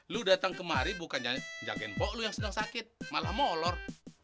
lu datang kemari bukan jakin pok lu yang sedang sakit malah molor